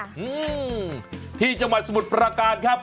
อื้อที่จะมาสมุดประการครับ